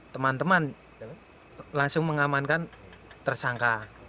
teman teman langsung mengamankan tersangka